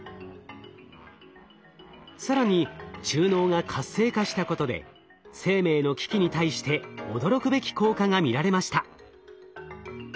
更に中脳が活性化したことで生命の危機に対して驚くべき効果が見られました。